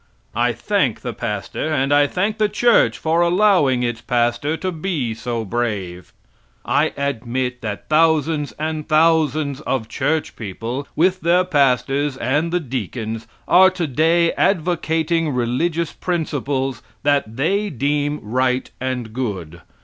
I thank the pastor and I thank the church for allowing its pastor to be so brave. I admit that thousands and thousands of church people, with their pastors and the deacons, are today advocating religious principles that they deem right and good.